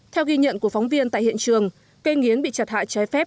theo ghi nhận của phóng viên tại hiện trường cây nghiến bị chặt hạ trái phép